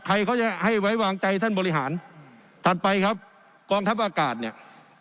ใครเขาจะให้ไว้วางใจท่านบริหารถัดไปครับกองทัพอากาศเนี่ย